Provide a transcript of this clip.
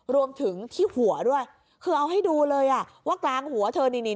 รวมถึงที่หัวด้วยคือเอาให้ดูเลยอ่ะว่ากลางหัวเธอนี่นี่